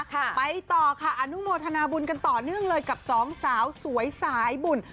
ไปต่อค่ะอนุโมทนาบุญกันต่อเนื่องเลยกับสองสาวสวยสายบุญ